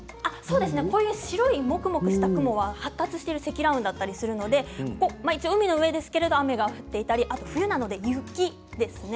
こういうもくもくした雲は発達している積乱雲だったりするので海の上ですけれども雨が降っていたり冬なので雪ですね。